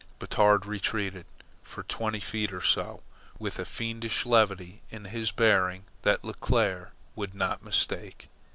Batard retreated, for twenty feet or so, with a fiendish levity in his bearing that Leclere could not mistake.